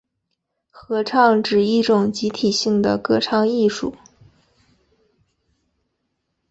合唱指一种集体性的歌唱艺术。